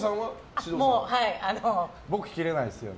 僕、キレないですよね。